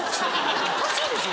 おかしいでしょ？